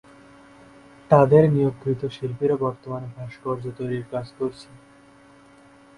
তাদের নিয়োগকৃত শিল্পীরা বর্তমানে ভাস্কর্য তৈরির কাজ করছে।